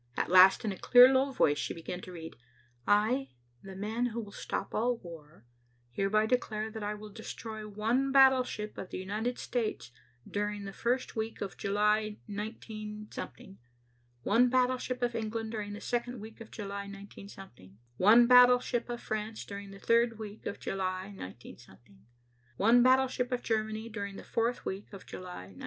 At last in a clear low voice she began to read, "I, the man who will stop all war, hereby declare that I will destroy one battleship of the United States during the first week of July, 19 , one battleship of England during the second week of July, 19 , one battleship of France during the third week of July, 19 , one battleship of Germany during the fourth week of July, 19